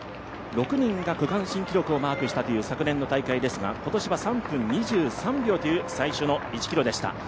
６人が区間新記録をマークしたという昨年の大会ですが、今年は３分２３秒という最初の１ｋｍでした。